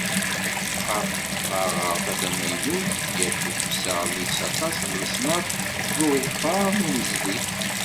Ɣef tɣerɣert-a tamaynut, ad yaf umsaɣ deg-s aṭas n lesnaf n uḍfar d unnezdi.